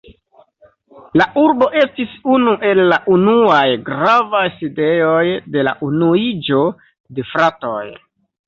La urbo estis unu el la unuaj gravaj sidejoj de la Unuiĝo de fratoj.